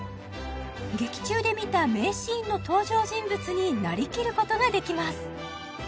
劇中で見た名シーンの登場人物になりきることができます